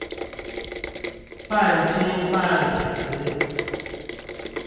半金半瓷